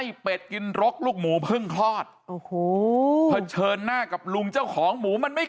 ไอ้เป็ดกินรกลุ่งหมูเพิ่งเพราะเซิร์นหน้ากับลุงเจ้าของหมูมันไม่